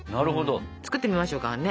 作ってみましょうかね？